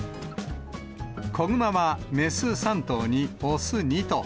子グマは雌３頭に雄２頭。